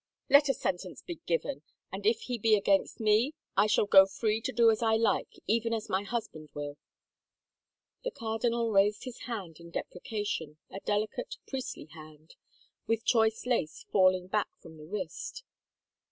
" Let a sentence be given, and if He be against me, I shall be free to do as I like, even as my husband will.*' The cardinal raised his hand in deprecation, a delicate, priestly hand, with choice lace falling back from the wrist.